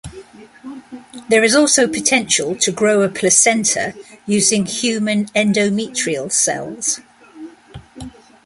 There is also potential to grow a placenta using human endometrial cells.